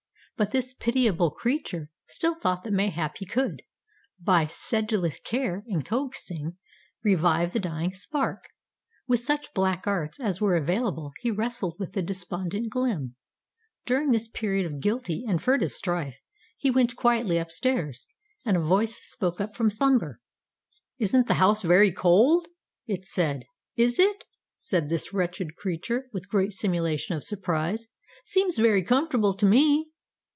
But this pitiable creature still thought that mayhap he could, by sedulous care and coaxing, revive the dying spark. With such black arts as were available he wrestled with the despondent glim. During this period of guilty and furtive strife he went quietly upstairs, and a voice spoke up from slumber. "Isn't the house very cold?" it said. "Is it?" said this wretched creature, with great simulation of surprise. "Seems very comfortable to me."